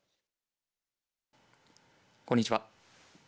こんにちは。